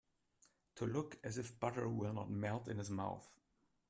To look as if butter will not melt in his mouth.